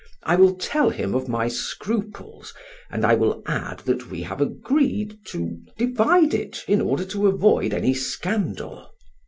I will tell him of my scruples and I will add that we have agreed to divide it in order to avoid any scandal.